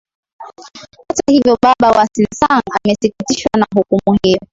hata hivyo baba wa sinsang amesikitishwa na hukumu hiyo